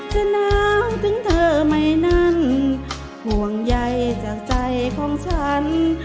หนาวถึงเธอไหมนั้นห่วงใยจากใจของฉัน